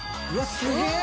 すげえ！